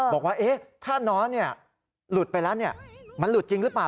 บอกว่าถ้าน้อนหลุดไปแล้วมันหลุดจริงหรือเปล่า